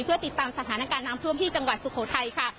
เพื่อติดตามสถานการณ์น้ำท่วมที่จังหวัดสุโขทัยค่ะ